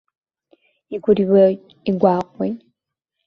Игәырҩоит, игәаҟуеит.